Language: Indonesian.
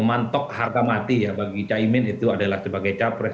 mantok harga mati ya bagi caimin itu adalah sebagai capres